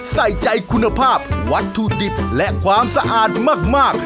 ใส่ใจคุณภาพวัตถุดิบและความสะอาดมาก